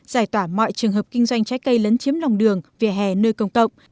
giải tỏa mọi trường hợp kinh doanh trái cây lấn chiếm lòng đường vỉa hè nơi công cộng